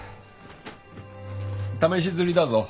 試し刷りだぞ。